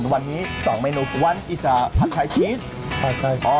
บอกว่าก่อนเริ่มในแรกเรียกเลยป้าขายในตลาดนัดก่อน